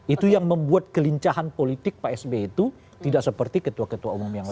itu yang membuat kelincahan politik pak sby itu tidak seperti ketua ketua umum yang lain